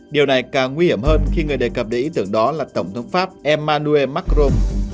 điều này càng nguy hiểm hơn khi người đề cập đến ý tưởng đó là tổng thống pháp emmanuel macrom